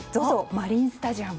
マリンスタジアム。